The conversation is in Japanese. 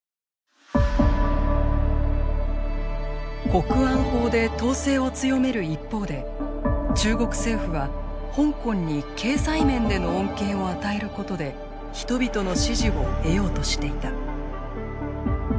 国安法で統制を強める一方で中国政府は香港に経済面での恩恵を与えることで人々の支持を得ようとしていた。